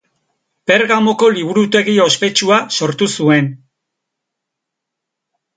Pergamoko liburutegi ospetsua sortu zuen.